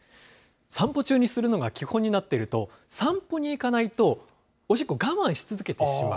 散歩中にするのが基本になっていると、散歩に行かないと、おしっこを我慢し続けてしまう。